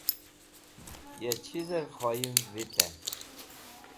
Ya chir khoyim vitẽ.